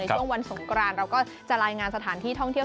ช่วงวันสงกรานเราก็จะรายงานสถานที่ท่องเที่ยว